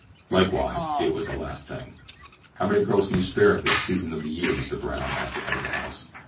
Likewise it was the last thing. "How many girls can you spare at this season of the year, Mr. Brown?" asked the head of the house.